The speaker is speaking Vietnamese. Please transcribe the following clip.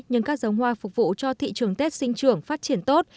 nhưng các giống hoa phục vụ cho thị trường tết sinh trưởng phát triển tốt